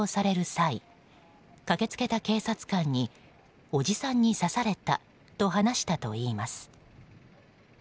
際駆け付けた警察官におじさんに刺されたと話したといいます。